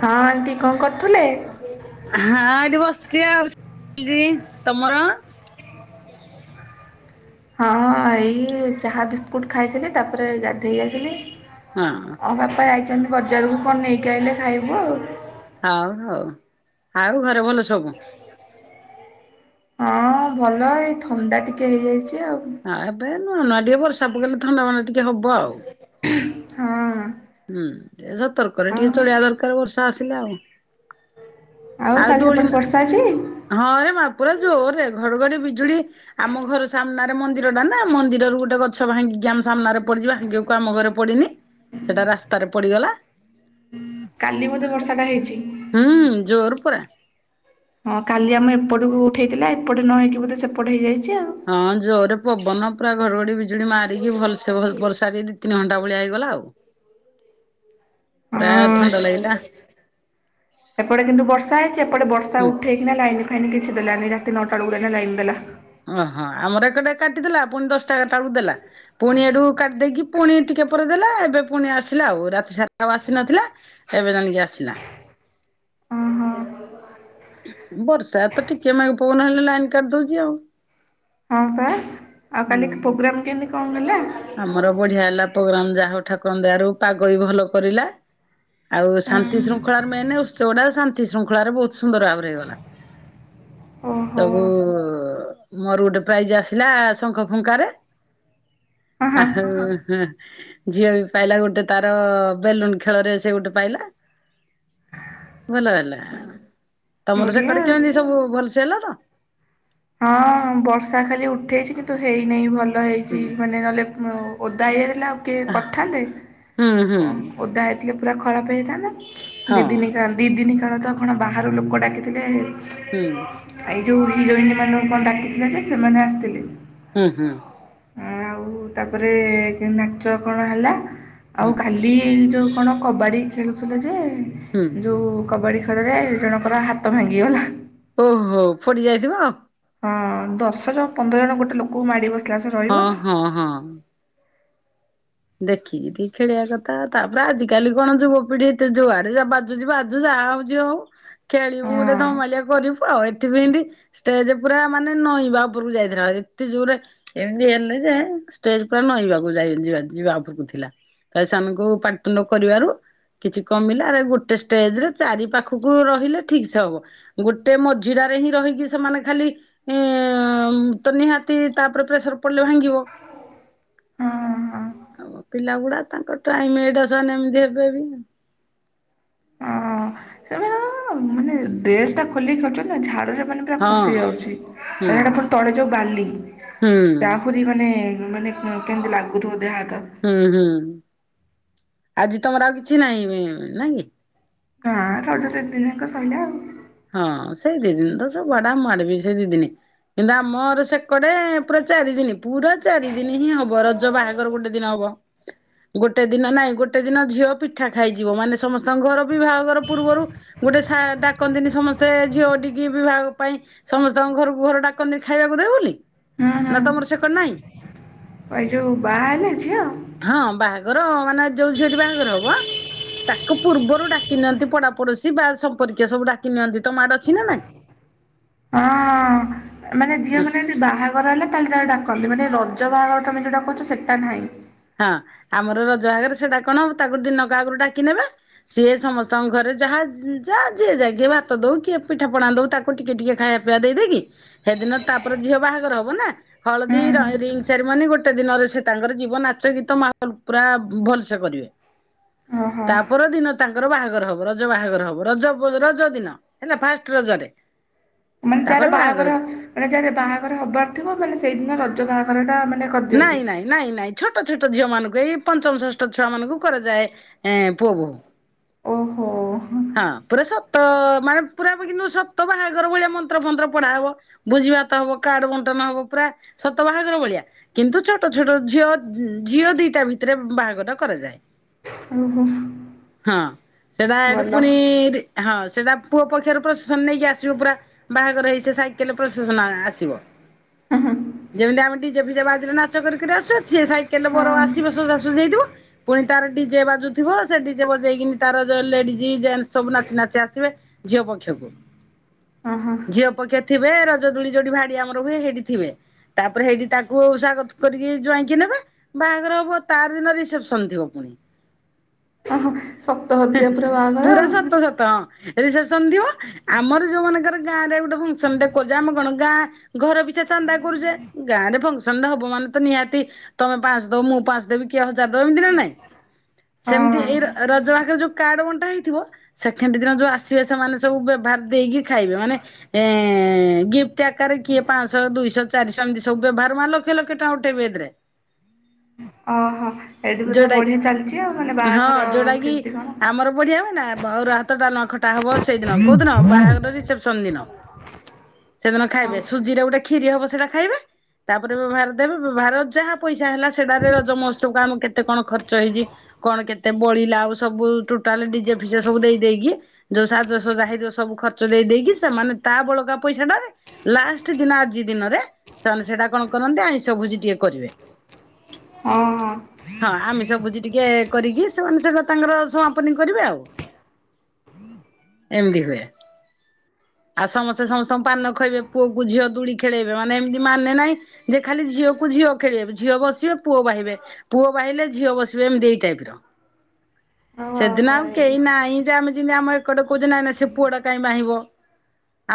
ହଁ, ଆଣ୍ଟି କଣ କରୁଥିଲେ? ହଁ ଏଠି ବସିଛି ଆଉ। ଜି ତମର? ହଁ ଏଇ ଚାହା ବିସ୍କୁଟ ଖାଇଥିଲି। ତାପରେ ଗାଧେଇ ଯାଇଥିଲି। ହଁ। ହଁ ବାପା ଯାଇଛନ୍ତି ବଜାରକୁ କଣ ନେଇକି ଆଇଲେ ଖାଇବୁ ଆଉ। ହଉ, ହଉ। ଆଉ ଘରେ ଭଲ ସବୁ? ହଁ ଭଲ ଏଇ ଥଣ୍ଡା ଟିକେ ହେଇଯାଇଛି ଆଉ। ହଁ ଏବେ ନୁଆ ନୂଆ ଟିକେ ବର୍ଷା ପକେଇଲେ ଥଣ୍ଡା ମଣ୍ଡା ଟିକେ ହବ ଆଉ। ହଁ। ହୁଁ, ଏ ସତର୍କରେ ହଁ ଟିକେ ଚଳିଆ ଦରକାର ବର୍ଷା ଆସିଲେ ଆଉ। ଆଉ କାଲି ସେପଟେ ବର୍ଷା ଅଛି? ହଁରେ ମା ପୁରା ଜୋରରେ ଘଡଘଡି ବିଜୁଳି। ଆମ ଘର ସାମ୍ନାରେ ମନ୍ଦିରଟା ନା, ମନ୍ଦିରରୁ ଗୋଟେ ଗଛ ଭାଙ୍ଗିକି ଆମ ସାମ୍ନାରେ ପଡିଛି ଭାଗ୍ୟକୁ ଆମ ଘରେ ପଡିିନି। ସେଟା ରାସ୍ତାରେ ପଡିଗଲା। କାଲି ବୋଧେ ବର୍ଷା ଟା ହେଇଛି? ହୁଁ, ଜୋର ପୁରା। ହଁ କାଲି ଆମେ ଏପଟକୁ ଉଠାଇଥିଲା, ଏପଟେ ନ ହେଇକି ବୋଧେ ସେପଟେ ହୋଇଯାଇଛି ଆଉ? ହଁ ଜୋରରେ ପବନ ପୁରା ଘଡ଼ଘଡ଼ି ବିଜୁଳି ମାରିକି ଭଲସେ ପୁରା ଵର୍ଷା ବି ଦି ତିନି ଘଣ୍ଟା ଭଳିଆ ହେଇଗଲା ଆଉ। [unintelligible] ପ୍ରାୟ ଥଣ୍ଡାଲାଗିଲା। [unintelligible] ସେପଟେ କିନ୍ତୁ ବର୍ଷା ହେଇଛି ଏପଟେ ବର୍ଷା ହୁଁ ଉଠେଇକି ନା ଲାଇନ ଫାଇନ୍ କିଛି ଦେଲାନି ରାତି ନଅଟା ବେଳକୁ ଦେଲା ଲାଇନ ଦେଲା। ଓହୋ ଆମର ଏକଟେ କାଟିଦେଲା ପୁଣି ଦଶଟା ଏଗାରଟାକୁ ଦେଲା। ପୁଣି ଏଠୁ କାଟିଦେଇକି ପୁଣି ଟିକେ ପରେ ଦେଲା ଏବେ ପୁଣି ଆସିଲା ଆଉ। ରାତି ସାରା ଆଉ ଆସି ନଥିଲା। ଏବେ ଜାଣିକି ଆସିଲା। ଓହୋ ବର୍ଷା ତ ଟିକିଏ ମେଘ ପବନ ହେଲେ ଲାଇନ୍ କାଟିଦଉଛି ଆଉ। ହଁ ପା, ଆଉ ହୁଁ କାଲି ପ୍ରୋଗ୍ରାମ୍ କେମିତି କଣ ଦେଲା? ଆମର ବଢିଆ ହେଲା ପୋଗ୍ରାମ ଯାହା ହଉ ଠାକୁର ଙ୍କ ଦୟାରୁ ପାଗ ବି ଭଲ କରିଲା। ଆଉ ହଁ ଶାନ୍ତି ଶୃଙ୍ଖଳା ମେନେ ଉତ୍ସବଟା ଶାନ୍ତି ଶୃଙ୍ଖଳାରେ ବହୁତ ସୁନ୍ଦର ଭାବରେ ହେଇଗଲା। ଓହୋ ସବୁ ମୋର ଗୋଟେ ପ୍ରାଇଜ ଆସିଲା ଶଙ୍ଖ ଫୁଙ୍କାରେ। ହଁ ଆ ହଁ ହଉ ଝିଅ ବି ପାଇଲା ଗୋଟେ ତାର ବେଲୁନ ଖେଳରେ ସେ ଗୋଟେ ପାଇଲା। ଭଲ ହେଲା। ତମର ସେ ବଢ଼ିଆ କଡେ ଆଉ। କେମିତି ସବୁ ଭଲସେ ହେଲା ତ? ହଁ ବର୍ଷା ଖାଲି ଉଠେଇଛି କିନ୍ତୁ ହେଇନାହିଁ ଭଲ ହେଇଛି ମାନେ ନହେଲେ, ଓଦା ହେଇଯାଇଥିଲେ ଆଉ କିଏ କରିଥାନ୍ତେ? ହୁଁ ହୁଁ ଓ ଓଦା ହେଇଥିଲେ ପୁରା ଖରାପ ହେଇଥାନ୍ତା। ହଁ ଦି ଦିନ କା ଦି ଦିନ କାଳ ତ ବାହାରୁ ଲୋକ ଡାକିଥିଲେ। ହୁଁ। ଏଇ ଯୋଉ ହିରୋଇନ୍‌ ମାନଙ୍କୁ କଣ ଡାକିଥିଲେ ଯେ ସେମାନେ ଆସିଥିଲେ। ହୁଁ ହୁଁ। ଆଉ ତାପରେ ନାଚ କଣ ହେଲା ହୁଁ ଆଉ କାଲି ବିଲ୍ ଯୋଉ କଣ କବାଡ଼ି ଖେଳୁଥିଲେ ଯେ, ହୁଁ। ଯୋଉ କବାଡ଼ି ଖେଳରେ ଜଣଙ୍କର ହାତ ଭାଙ୍ଗିଗଲା। ଓହୋ ଫୋଡି ଯାଇଥିବ ଆଉ। ହଁ ଦଶ ଜଣ ପନ୍ଦର ଜଣ ଗୋଟେ ଲୋକଙ୍କୁ ମାଡି ବାସି ହଁ ହଁ ହଁ। ଦେଖିକି ଦ ଖେଳିବା କଥା ତାପରେ ଆଜିିକାଲି କଣ ଯୁବପିଢି ଏତେ ଯୁଆଡେ ବାଜୁଛି ବାଜୁଛି ଯାହା ହୋଉଛି ଗୋଟେ ଖେଳିବୁ ହଁ ଗୋଟେ ଧମାଳିଆ କରିବୁ ଆଉ ଏଠି ବି ଏମତି। ଷ୍ଟେଜ ପୁରା ମାନେ ନଇବା ଉପରକୁ ଯାଇଥିଲା ଏତେ ଜୋରେ ଏମିତି ହେଲେ ଯେ ଷ୍ଟେଜ ପୁରା ନଇବାକୁ ଯାଇ ଯିବା। ଯିବା ଉପରକୁ ଥିଲା ତା ସେମାନଙ୍କୁ ପାର୍ଟନ କରିବାରୁ କିଛି କମିଲା ଆରେ ଗୋଟେ ଷ୍ଟେଜରେ ଚାରି ପାଖକୁ ରହିଲେ ଠିକ୍ ସେ ହବ। ଗୋଟେ ମଝିଡାରେ ହିଁ ରହିକି ସେମାନେ ଖାଲି ଏ ତ ନିହାତି ତାପରେ ପ୍ରେସର ପଡିଲେ ଭାଙ୍ଗିବ। ହଁ ହଁ ଆଉ ପିଲା ଗୁଡା ତାଙ୍କ ଟାଇମ୍ ଏଇଟା ଏଇନା ସେମାନେ ଏମିତି ହେବେ ବି। ହଁ ସେମାନେ ମାନେ ଡ୍ରେସ୍ ଟା ଖୋଲିକି କରୁଛନ୍ତି ନା ଝାଡୁରେ। ମାନେ ପୁରା ଖସି ହଁ ଯାଉଛି ହୁଁ ତା ଛଡ଼ା ଆପଣ ତଳେ ଯୋଉ ବାଲି। ହୁଁ ତାହୁରି ମାନେ ମାନେ କେମିତି ଲାଗୁଥିବ ଦେହ ହାତ। ହୁଁ ହୁଁ ଆଜି ତମର ଆଉ କିଛି ନାହିଁ ନାଁ କି? ହଁ [unintelligible] ସଇଲା ଆଉ। ହଁ ସେ ଦି ଦିନ ତ ସବୁ ବାଡା ମୁଁ ମାରିବି ଦିଦିନି। କିନ୍ତୁ ଆମର ସେକଡେ ପୁରା ଚାରି ଦିନ ପୁରା ଚାରି ଦିନ ହିଁ ହବ। ର ତ ବାହାଘର ଗୋଟେ ଦିନ ହବ। ଗୋଟେ ଦିନ ନାଇଁ ଗୋଟେ ଦିନ ଝିଅ ପିଠା ଖାଇଯିବ ମାନେ ସମସ୍ତଙ୍କ ଘର ବି ବାହାଘର ପୂର୍ବରୁ। ଗୋଟେ ସେଟା ଡାକନ୍ତିିନୀ ସମସ୍ତେ ଝିଅ ଟଡିିକି ବିବାହ ପାଇଁ ସମସ୍ତଙ୍କ ଘରକୁ ଘର ଡାକନ୍ତିିନି ଖାଇବାକୁ ଦେବ ବୋଲି। ହୁଁ ନା ତମର ସେକଡେ ନାହିଁ? ହୁଁ ଏ ଯୋଉ ବାହା ହେଲେ ଝିଅ ହଁ ବାହାଘର ମାନେ ଯୋଉ ଝିଅଟି ବାହାଘର ହବ ତାକୁ ପୂର୍ବରୁ ଡାକି ନିଅନ୍ତି ପଡା ପଡୋଶୀ ବା ସମ୍ପ କିଏ ସବୁ ଡ଼ାକି ନିଅନ୍ତି ତମ ଆଡେ ଅଛି କି ନାହିଁ? ହଁ ମାନେ ଝିଅ ମାନେ ଯୋଉ ବାହା ଘର ହେଲେ ତାହେ ତାକୁ ଡାକନ୍ତି ମାନେ ରଜ ବାହାଘର ତମେ ଯୋଉଟା କହୁଚ ସେଟା ନୁହେଁ? ହଁ ଆମର ରଜ ଆଗରେ ସେଇଟା କଣ ହବ ତାକୁ ଦିନକ ଆଗରୁ ଡାକି ନେବେ ସିଏ ସମସ୍ତଙ୍କ ଘରେ ଯାହା ଯାହା ଯିଏ ଯାଇ କିଏ ଭାତ ଦୋଉ କିଏ ପିଠା ପଣା ଦୋଉ ତା ଟିକେ ଟିକେ ଖାଇବା ପିଇବା ଦେଇଦେଇକି ହେଦିନ ତାପରେ ଝିଅ ବାହାଘର ହବ ନା। ହୁଁ ହଳଦୀ ରିଙ୍ଗ୍ ସୋରରିମନି ଗୋଟେ ଦିନରେ ସେ ତାଙ୍କର ଜୀବନ ନା। ନାଚ ଗୀତ ମାନଙ୍କ ପୁରା ଭଲସେ କରିବେ। ଓହୋ ତାପର ଦିନ ତାଙ୍କର ବାହାଘର ହବ ରଜ ବାହାଘର ହବ ରଜ ରଜ ଦିନ। ହେଲା ଫାଷ୍ଟ ରଜରେ? ମାନେ ଯାହାର ତାପରେ ବାହାଘର ଯାଏ। ମାନେ ଯାହାର ବାହାଘର ହବାର ଥିବ ମାନେ ସେଇଦିନ ର ଜ ବାହାଘରଟା ମାନେ ନାଇଁ କରିଦିଅନ୍ତି। ନାଇଁ ନାଇଁ ଛୋଟ ଛୋଟ ଝିଅ ମାନଙ୍କୁ ଏଇ ପଞ୍ଚମ ଷଷ୍ଠ ଛୁଆ ମାନଙ୍କୁ କରାଯାଏଁ ପୁଅ ବୋଉୂ। ଓହୋ। ହଁ ପୁରା ସତ ମାନେ ପୁରା କିନ୍ତୁ ସତ ବାହାଘର ଭଳିଆ ମନ୍ତ୍ର ମନ୍ତ୍ର ପଢା ହବ। ବୁଝିବା ତ ହବ କା ଆଡୁ ବଣ୍ଟନ ହବ ପୁରା ସତ ବାହାଘର ଭଳିଆ କିନ୍ତୁ ଛୋଟ ଛୋଟ ଝିଅ ଝିଅ ଦିଟା ଭିତରେ ବାହାଘର କରାଯାଏ। ଓହୋ। ହଁ ସେଟା ଏଠୁ ଭଲ ପୁଣି ହଁ ସେଟା ପୁଅ ପକ୍ଷରୁ ପ୍ରଶାସନ ନେଇକି ଆସିବ ପୁରା ବାହାଘର ହେଇ ସାଇକେଲରେ ପ୍ରଶାସନ ଆସିବ। ହୁଁ ହୁଁ ଯେମିତି ଆମେ ଡିଜେ ଫିଜେ ବାଜିରେ ନାଚ କରିକରି ଆସୁ ସ ସାଇକେଲରେ ହଁ ବର ଆସିବ। ସୁଝା ହେଇଥିବା ପୁଣି ତାର ଡିଜେ ବାଜୁଥିବ ସେ ଡିଜେ ବଜେଇକିନି ତାର ଲେଡିଜ ଜେଣ୍ଟ ସବୁ ନାଚି ନାଚି ଆସିବେ। ଝିଅ ପକ୍ଷକୁ ଓ ହୋ। ଝିଅ ପକ୍ଷେ ଥିବେ ରଜଦୋଳି ଯୋ ଭାଡି ଆମର ହୁଏ ସେଇଠି ଥିବେ ତାପରେ ସେଇଠି ତାକୁ କରିକି ଜ [inaudible] ଆଇକି ନେବା ବାହାଘର ହବ ତାର ଦିନ ରିସେପସନ ଥିବ ପୁଣି। ଓହୋ ସତ [unintelligible] ହଦିବା ପୁର ବାହାଘର। ପୁରା ସତ ହଁ ସତ ରସେପସନ ଥିବ ଆମର ଯୋଉ ମାନଙ୍କର ଗାଁରେ ଗୋଟେ ଫସନ ଆମ କଣ ଗାଁ ଘର ପିଛା ଚାନ୍ଦା କରୁଛେ ଗାଁ ରେ ଫଙ୍କସନ ହବ ମାନେ ତ ନିହାତି। ତମେ ପାଞ୍ଚ ଦବ ମୁଁ ପାଞ୍ଚ ଦବି କିଏ ହଜାର ଦବ ଏମିତି ନା ନାଇଁ ଆଉ ସେମିତି ହଁ ଏଇ ରଜ ରେ ଯୋଉ କାର୍ଡ ବଣ୍ଟା ହେଇଥିବ ସେଖେଣ୍ଡ ଦିନ ଯୋଉ ଆସିବେ ସେମାନେ ସବୁ ବ୍ୟବହାର ଦେଇକି ଖାଇବେ ମାନେ ଏ ଗିଫ୍ଟ ଆକାରରେ କିଏ ପାଞ୍ଚଶହ ଦୁଇଶହ ଚାରିଶହ ଏମିତି ସବୁ ବ୍ୟବହାର ମା ଲକ୍ଷେ ଲକ୍ଷେ ଟଙ୍କା ଉଠେଇବେ ଏଥିରେ। ଓହୋ ଏଠି ବୋଧେ ଯୋଉଟା ବଢିଆ ଚାଲିଛି ଆଉ ମାନେ ହଁ ବାହାଘର ଯୋଉଟା କି କେମିତି କଣ? ଆମର ବଢିଆ ହ ନା ଆଉର ଭାତ ଡ଼ାଲମା ଖଟା ହବ ସେଇଦିନ କୋଉ ଦିନ ବାହାଘର ରିସେପସନ ଦିନ ସେଦିନ ହଁ ଖାଇବେ ସୁଜି ରେ ଗୋଟେ କ୍ଷୀରି [unintelligible] ହବ ସେଟା ଖାଇବେ। ତାପରେ ବ୍ୟବହାର ଦେବେ ବ୍ୟବହାର ଯାହା ପଇସା ହେଲା ସେଟାରେ ରଜମହତ୍ସବମ କେତେ କଣ ଖର୍ଚ୍ଚ ହେଇଛି କଣ କେତେ ବଳିଲା ଆଉ ସବୁ ଟୋଟାଲ ଡିଜେ ଫିଜେ ସବୁ ଦେଇ ଦେଇକି ଯୋଉ ସାଜସଯା ହେଇଥିବ ସବୁ ଖର୍ଚ୍ଚ ଦେଇ ଦେଇକି ସେମାନେ ତା ବଳକା ପଇସାଟାରେ ଲାଷ୍ଟ ଦିନ ଆଜି ଦିନରେ ସେମାନେ ସେଇଟା କଣ କରନ୍ତି ଆଇଁଷ ଭୋଜି ଟିକେ କରିବେ। ହଁ। ହଁ ଆମିଷ ଭୋଜି ଟିକେ କରିକି ସେମାନେ ସେଟା ତାଙ୍କର ସମାପନୀ କରିବେ ଆଉ ଏମିତି ହୁଏ ଆଉ ସମସ୍ତେ ସମସ୍ତଙ୍କୁ ପାନ ଖାଇବେ ପୁଅକୁ ଝିଅ ଦୋଳି ଖେଳେଇବେ ମାନେ ଏମିତି ମାନେ ନାହିଁ। ଯେ ଖାଲି ଝିଅକୁ ଝିଅ ଖେଳିଇବେ ଝିଅ ବସିବେ ପୁଅ ବାହିବେ। ପୁଅ ବାହିଲେ ଝିଅ ବସିବେ ଏମତି ଦି ଟାଇପ ର ଓହୋ ସେଦିନ ଆଉ ହଇ କେହି ନାହିଁ ଯେମେ ଯେମିତି ଆମ ଏଟେ କହୁଛ ନାଇଁ ନା ସେ ପୁଅଟା କାଇଁ ବାହିବ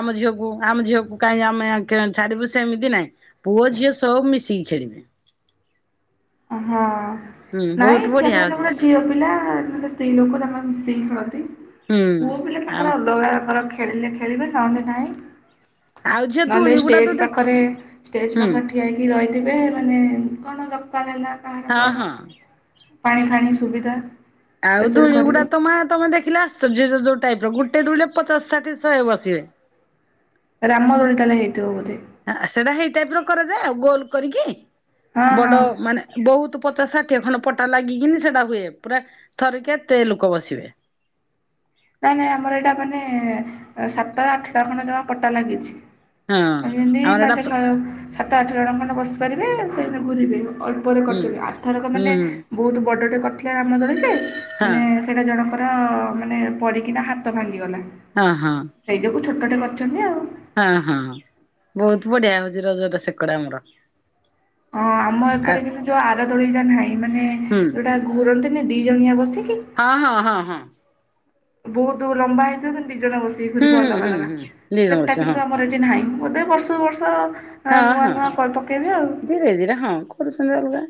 ଆମ ଝିଅକୁ ଆମ ଝିଅକୁ କାଇହିଁ ଆମେ ଛାଡିବୁ ସେମିତି ନାଇଁ ପୁଅ ଝିଅ ସବୁ ମିଶିକି ଖେଳିବେ। ହଁ ହୁଁ ନାଇଁ ବହୁତ ଏଠି ବଢିଆ ଆପଣ ହଉଛି। କେବଳ ଝିଅ ପିଲା ମାନେ ସ୍ତ୍ରୀ ଲୋକ ତାଙ୍କର ମିଶିକି ଖେଳନ୍ତି ହୁଁ ପୁଅ ପିଲା ଆଉ ତାଙ୍କର ଅଲଗା ତାର ଖେଳିଲେ ଖେଳିବେ ନହେଲେ ନାହିଁ। ଆଉ ଝିଅ ନହେଲେ ଦୋଳି ଗୁଡା ତ ଷ୍ଟେଜ ଦେଖି ପାଖରେ ଷ୍ଟେଜ ହୁଁ ପାଖରେ ଠିଆ ହେଇ ରହିଥିବେ ମାନେ କଣ ଦରକାର ହେଲା କାହାର ହଁ କଣ ହଁ। ପାଣି ଫାଣି ସୁବିଧା ଆଉ ଏସବୁ ଦୋଳି ଗୁଡା କରିବେ ତ ମା ତମେ ଦେଖିଲେ [unintelligible] ଟାଇପ୍ ର, ଗୋଟେ ରୁଲ୍ ରେ ପଚାଶ ଷାଠିଏ ଶହେ ବସିବେ। ରାମ ଦୋଳି ତାହେଲେ ହେଇଥିବ ବୋଧେ। ସେଟା ହେଇ ଟାଇପ୍ ର କରାଯାଏ ଆଉ। ଗୋଲ କରିକି ହଁ ହଁ। ବଡ ମାନେ ବହୁତୁ ପଚାଶ ଷାଠିଏ ଖଣ୍ଡ ପଟା ଲାଗିକିନି ସେଟା ହୁଏ, ପୁରା ଥରେ କେ ଏତେ ଲୋକ ବସିବେ। ନାଇଁ ନାଇଁ ଆମର ଏଇଟା ମାନେ ସାତ ଟା ରୁ ଆଠଟା ଖଣ୍ଡେ ଜମା ପଟା ଲାଗିଚି। [unintelligible] ହଁ ଆମର ଏଟା ସାତ ଆଠ ଜଣ ଖଣ୍ଡେ ବସିପାରିବେ ସେଇଥିରେ ଘୁରିବେ, ଅଳ୍ପରେ ହୁଁ କରିଛନ୍ତି। ଆର ଥର ହୁଁ ମାନେ ବହୁତୁ ବଡ଼ଟେ କରିଥିଲେ ରାମ ଦୋଳି ଯେ ହୁଁ ମାନେ ସେଇଟା ଜଣଙ୍କର ମାନେ ପଡ଼ିକିନା ହାତ ଭାଙ୍ଗିଗଲା। ହଁ ହଁ। ସେଇ ଯୋଗୁ ଛୋଟଟେ କରିଛନ୍ତି ଆଉ। ହଁ ହଁ। ବହୁତ ବଢିଆ ହଉଚି ରଜଟା ସେକରେ ଆମର। ହଁ ଆମ ଆଉ ଏକରେ କିନ୍ତୁ ଯୋଉ ଆର ଦୋଳିଟା ନାହିଁ। ମାନେ ହୁଁ ଯୋଉଟା ଘୁରନ୍ତିନି ଦି ଜଣିଆ ବସିକି ହଁ ହଁ ହଁ ହଁ। ବହୁତୁ ଲମ୍ବା ହେଇଥିବ କିନ୍ତୁ ଦି ଜଣ ବସିକି ହୁଁ ଘୁରିବ ହୁଁ ଅଲଗା ହୁଁ ଅଲଗା। ହୁଁ ଦିଜଣ ସେଟା ବସିବେ ହଁ କିନ୍ତୁ ଆମର ଏ ଠି ନାହିଁ। ବୋଧେ ବର୍ଷକୁ ବର୍ଷ ହଁ ନୂଆ ହଁ ନୂଆ ପକାଇବେ ଆଉ। ଧୀରେ ଧୀରେ ହଁ କରୁସନ୍ତି ଅଲଗା।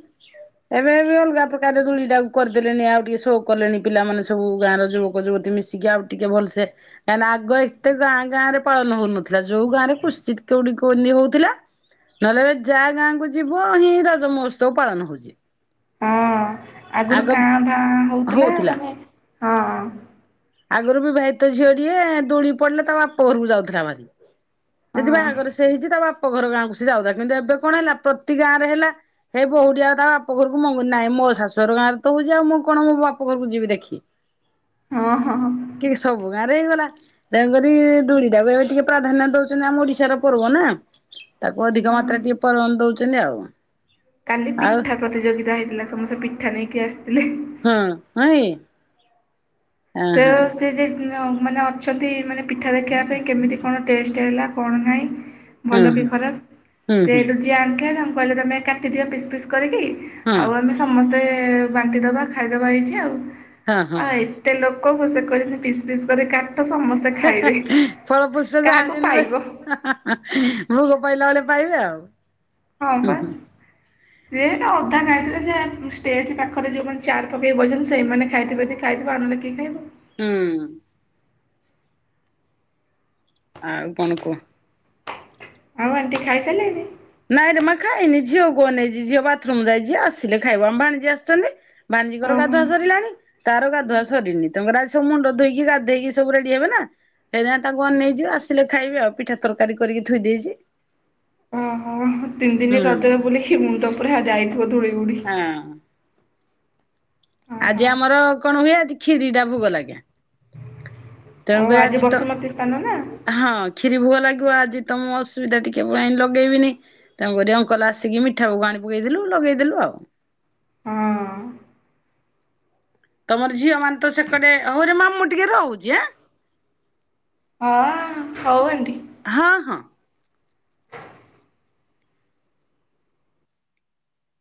ଏବେ ଏବେ ଅଲଗା ପ୍ରକାର ଦୋଳି ଟାକୁ କରିଦେଲେଣି ଆଉ ଟିକେ ସୋ କଲେଣି ପିଲାମାନେ ସବୁ ଗାଁର ଯୁବକ ଯୁବତୀ ମିଶି କି ଆଉ ଟିକେ ଭଲସେ। କାହିଁକ ନା ଆଗ ଏତେ ଗାଁ ଗାଁ ରେ ପାଳନ ହଉନଥିଲା। ଯୋଉ ଗାଁରେ କୁସ୍ଚିତ୍ କଉଠି କନ୍ତି ହଉଥିଲା। ନହେଲେ ଯା ଗାଁକୁୁ ଯିବ ହିଁ ରଜ ମହୋତ୍ସବ ପାଳନ ହଉଚି। ହଁ। ଆଗରୁ କାଁ ଭାଁ ହଉଥିଲା। ମାନେ ହଁ। ଆଗରୁ ବିଭାଇତ ଝିଅଟିଏ ଦୋଳି ପଡିଲେ ତା ବାପା ଘରକୁ ଯାଉଥିଲା ଭାରି। ହଁ ଯଦି ବାହାଘର ସେ ହେଇଚି ତା ବାପ ଘର ଗାଁ କୁ ସେ ଯାଉଥିଲା। କିନ୍ତୁ ଏବେ କଣ ହେଲା ପ୍ରତି ଗାଁ ରେ ହେଲା। ହେଇ ବହୂଟି ଆଉ ତା ବାପ ଘରକୁ ମଙ୍ଗୁନି, ନାଇଁ ମୋ ଶାଶୁଘର ଗାଁରେ ତ ହଉଚି ଆଉ ମୁଁ କଣ ମୋ ବାପ ଘରକୁ ଯିବି ଦେଖି। ହଁ ହଁ ହଁ। କି ସବୁ ଗାଁରେ ହେଇଗଲା। ତେଣୁକରି ଦୋଳି ଟାକୁ ଏବେ ଟିକେ ପ୍ରାଧାନ୍ୟ ଦଉଛନ୍ତି ଆମ ଓଡିଶାର ପର୍ବ ନା। ତାକୁ ଅଧିକ ହଁ ମାତ୍ରା ଟିକେ ପ୍ରାଧାନ୍ୟ ଦଉଛନ୍ତି ଆଉ। କାଲି ଆଉ ପିଠା ପ୍ରତିଯୋଗିତା ହେଇଥିଲା। ସମସ୍ତେ ପିଠା ନେଇକି ଆସିଥିଲେ। ହଁ। ହଁ କି। [unintelligible] ଅଛନ୍ତି ମାନେ ପିଠା ଦେଖିବା ପାଇଁ ମାନେ କେମିତି କଣ ଟେଷ୍ଟ ହେଲା କଣ ନାଇ ହୁଁ ଭଲ କି ହୁଁ ଖରାପ୍। ହୁଁ ସେ ହୁଁ ହେଠୁ ଯିଏ ଆଣିଥିଲା ତାଙ୍କୁ କହିଲେ ତମେ କାଟିଦିଅ ପିସ୍ ପିସ୍ କରିକି ଆଉ ଆମେ ସମସ୍ତେ ବାଣ୍ଟି ଦବା ଖାଇଦବା ଏଇଠି ଆଉ। ହଁ ହଁ ଆଉ ହଁ ଏ ଏତେ ଲୋକକୁ ସେ କହୁଛନ୍ତି ପିସ୍ ପିସ୍ କରି କାଟ ସମସ୍ ଫଳପୁଷ୍ପ ଯାହା ଯେନ୍ତି ପାଇବ। କରି ଭୋଗ ପାଇଲା ବେଳେ ପାଇବେ ଆଉ। ହଁ ହୁଁ ପା। ହୁଁ ସେ ନା ଅଧା ଖାଇଥିଲେ ସେ ଷ୍ଟେଜ୍ ପାଖରେ ଯଉମାନେ ଚିଆର୍ ପକେଇ ବଇଛନ୍ତି ସେଇମାନେ ଖାଇଥିବେ ଖାଇଥିବ ଆଉ ନହେଲେ କିଏ ଖାଇବ। ଉଁ। ଆଉ କଣ କୁହ। ଆଉ ଆଣ୍ଟି ଖାଇସାରିଲେଣି? ନାଇଁରେ ମା ଖାଇନି ଝିଅ କୁ ଅନେଇଛି। ଝିଅ ବାଥରୁମ ଯାଇଛ ଆସିଲେ ଖାଇବ। ଆମ ଭାଣିଜୀ ଆସିଛନ୍ତି ଭାଣିଜୀଙ୍କର ଓହୋ। ଗାଧୁଆ ସରିଲାଣି, ତାର ଗାଧୁଆ ସରିନି। ତାଙ୍କର ଆଜି ସବୁ ମୁଣ୍ଡ ଧୋଇକି ଗାଧେଇକି ସବୁ ରେଡି ହେବ ନା। ସେଥିପାଇଁ ତାଙ୍କୁ ଅନେଇଛି ଆସିଲେ ଖାଇବି ଆଉ। ପିଠା, ତରକାରୀ କରିକି ଥୋଇ ଦେଇଛି। ଓହୋଃ। ତିନି ହୁଁ ଦିନି ରଜରେ ବୁଲି ମୁଣ୍ଡ ଉପରେ ଯାଇଥିବ ଧୂଳି ଉଡି। ହଁ। ଓହୋ ଆଜି ଆମର କଣ ହୁଏ ଆଜି କ୍ଷୀରି ଟା ଭୋଗ ଲାଗେ। ଓ ତେଣୁକରି ଆଜି ତ ବସୁମତୀ ସ୍ଥାନ ନା ହଁ କ୍ଷୀରି ଭୋଗ ଲାଗିବ ଆଜି ତ ମୁଁ ଅସୁବିଧା ଟିକେ ପାଇଁ ଲଗେଇବି ନି। ତାଙ୍କରି ଅଙ୍କଲ ଆସିକି ମିଠାକୁ ଆଣି ପକେଇଥିଲୁ ଲଗେଇଦେଲୁ ଆଉ। ହଁ। ତମର ଝିଅ ମାନେ ତ ସେକରେ ହଉରେ ମା ମୁଁ ଟିକେ ରହୁଛି ଆଁ? ହଁ ହଉ ଆଣ୍ଟି। ହଁ ହଁ।